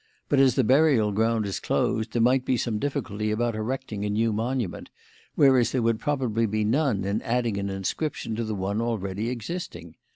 But, as the burial ground is closed, there might be some difficulty about erecting a new monument, whereas there would probably be none in adding an inscription to one already existing.